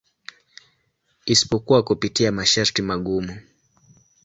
Isipokuwa kupitia masharti magumu.